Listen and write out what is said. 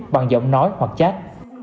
bằng giọng nói hoặc chat